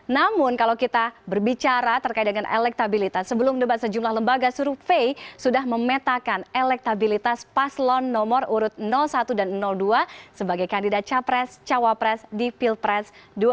namun kalau kita berbicara terkait dengan elektabilitas sebelum debat sejumlah lembaga survei sudah memetakan elektabilitas paslon nomor urut satu dan dua sebagai kandidat capres cawapres di pilpres dua ribu sembilan belas